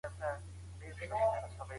زه اوس مهال د وټساپ د فعالیت تحلیل کوم.